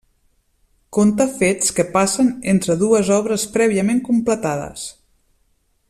Conta fets que passen entre dues obres prèviament completades.